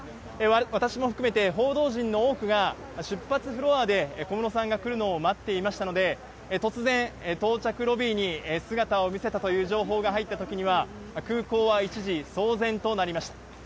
私も含めて報道陣の多くが出発フロアで小室さんが来るのを待っていましたので、突然到着ロビーに姿を見せたという情報が入った時には空港は一時騒然となりました。